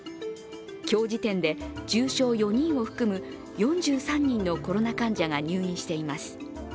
今日時点で、重症４人を含む４３人のコロナ患者が入院しています。